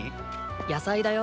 野菜だよ。